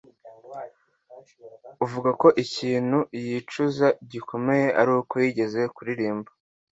avuga ko ikintu yicuza gikomeye aruko yigeze kuririmba